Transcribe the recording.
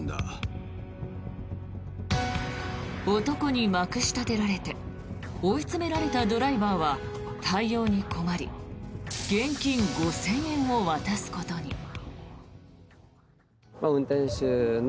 男にまくしたてられて追い詰められたドライバーは対応に困り現金５０００円を渡すことに。